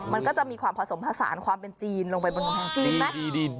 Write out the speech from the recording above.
มันก็จะมีความผสมผสานความเป็นจีนลงไปบนกำแพงจีนใช่ไหม